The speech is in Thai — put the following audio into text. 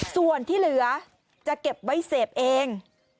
ส่วนที่เหลือจะเก็บไว้เสพเอง